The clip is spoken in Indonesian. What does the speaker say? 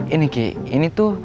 ini ki ini tuh